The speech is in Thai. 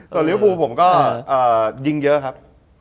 ส่วนลิวภูผมก็ยิงเยอะครับ